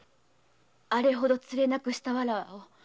あれほどつれなくしたわらわを。